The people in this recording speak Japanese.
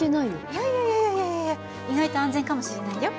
いやいやいや意外と安全かもしれないよ。